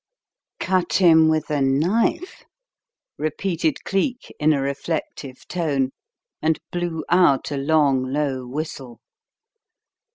'" "Cut him with a knife?" repeated Cleek in a reflective tone, and blew out a long, low whistle.